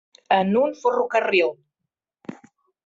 En un ferrocarril.